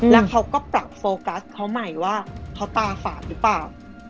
แล้วเขาก็ปรับโฟกัสเขาใหม่ว่าเขาตาฝาดหรือเปล่า